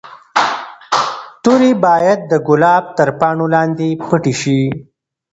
توري باید د ګلاب تر پاڼو لاندې پټې شي.